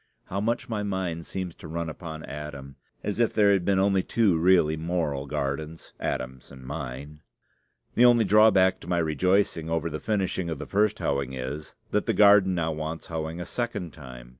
(How much my mind seems to run upon Adam, as if there had been only two really moral gardens Adam's and mine!) The only drawback to my rejoicing over the finishing of the first hoeing is, that the garden now wants hoeing a second time.